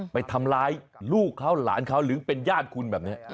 ไปทำร้ายลูกเขาหลานเขาหรือเป็นญาติคุณแบบนี้